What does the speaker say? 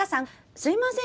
すいません